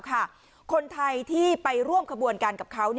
คนไทยที่ไปร่วมขบวนการกับเขา